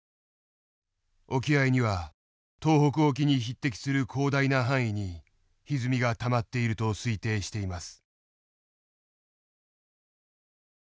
沖合には東北沖に匹敵する広大な範囲にひずみがたまっていると推定しています。